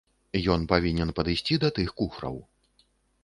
Ён павінен падысці да тых куфраў.